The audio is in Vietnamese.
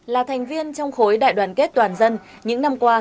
là thành viên trong khối đại đoàn kết toàn dân những năm qua